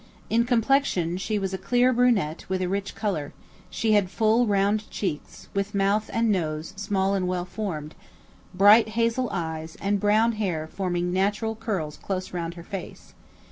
In complexion she was a clear brunette with a rich colour; she had full round cheeks, with mouth and nose small and well formed, bright hazel eyes, and brown hair forming natural curls close round her face.